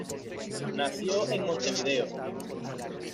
Nacido en Montevideo.